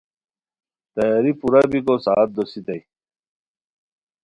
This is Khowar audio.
تیاری پورا بیکو ساعت دوسیتانی